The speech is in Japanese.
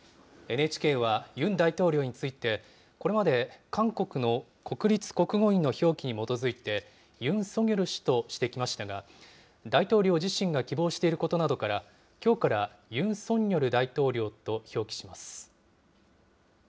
ＮＨＫはユン大統領について、これまで韓国の国立国語院の表記に基づいて、ユン・ソギョル氏としてきましたが、大統領自身が希望していることなどから、きょうからユン・ソンニョル大統領と表記します。